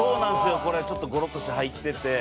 これちょっとゴロッとして入ってて。